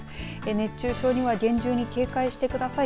熱中症には厳重に警戒してください。